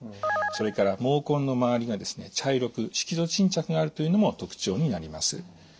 それから毛根の周りがですね茶色く色素沈着があるというのも特徴になります。